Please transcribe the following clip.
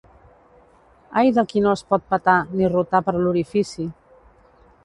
Ai del qui no es pot petar, ni rotar per l'orifici!